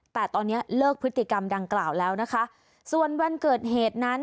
แต่ตอนนี้เลิกพฤติกรรมดังกล่าวแล้วนะคะส่วนวันเกิดเหตุนั้น